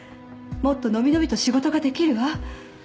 もっと伸び伸びと仕事ができるわ。